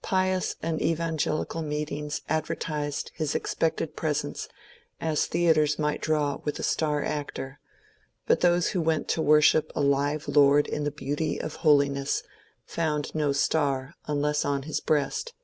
Pious and evangelical meetings advertised his expected presence as theatres might draw with a star actor; but those who went to worship a live lord in the beauty of holiness found no star unless on his breast.